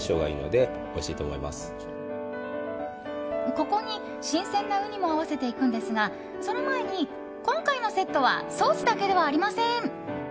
ここに新鮮なウニも合わせていくのですがその前に、今回のセットはソースだけではありません。